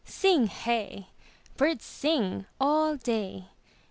Sing hey! Birds sing All day.